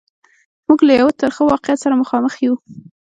موږ له یوه ترخه واقعیت سره مخامخ یو.